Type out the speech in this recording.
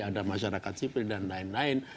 ada masyarakat sipil dan lain lain